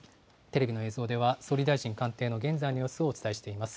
テレビの映像では総理大臣官邸の現在の様子をお伝えしています。